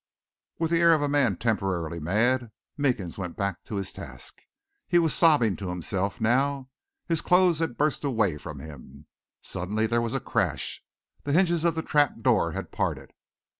With the air of a man temporarily mad, Meekins went back to his task. He was sobbing to himself now. His clothes had burst away from him. Suddenly there was a crash, the hinges of the trap door had parted.